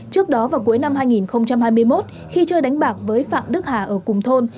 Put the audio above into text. trước đó vào cuối năm hai nghìn hai mươi một khi chơi đánh bạc với phạm đức hà ở cùng thôn